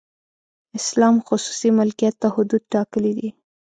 اسلام خصوصي ملکیت ته حدود ټاکلي دي.